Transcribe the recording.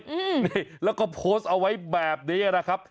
อืมนี่แล้วก็โพสต์เอาไว้แบบนี้นะครับ